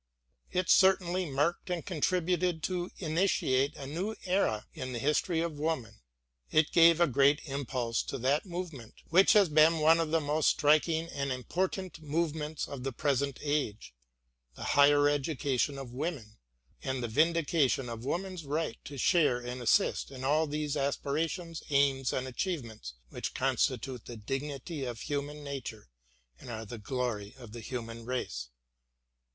It certainly marked and contributed to initiate a new era in the history of woman ; it gave a great impulse to that movement which has been one of the most striking and important movements of the present age — ^the higher education of women and the vindication of woman's right to share and assist in all those aspirations, aims, and achievements which constitute the dignity of human nature and are the glory of the human race.